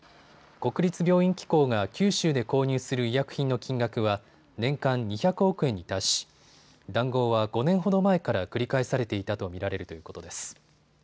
国立病院機構が九州で購入する医薬品の金額は年間２００億円に達し談合は５年ほど前から繰り返されていたと見られるということです。